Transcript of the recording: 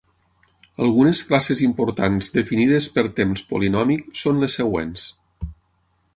Algunes classes importants definides per temps polinòmic són les següents.